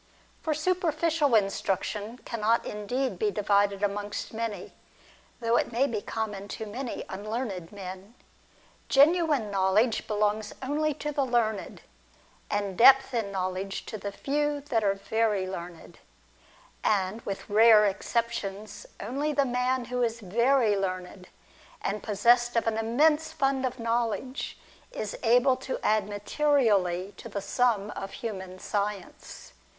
For superficial instruction cannot indeed be divided amongst many, though it may be common to many unlearned men. Genuine knowledge belongs only TRISTANO AND A FRIEND. 211 to the learned, and depth in knowledge to the few that are very learned. And, with rare exceptions, only the man who is very learned, and possessed of an immense fund of knowledge, is able to add materially to the sum of human science.